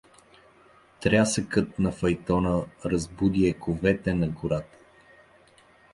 Трясъкът на файтона разбуди ековете на гората.